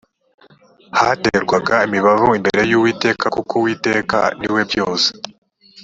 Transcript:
haterwagara imibavu imbere y’ uwiteka kuko uwiteka niwebyose.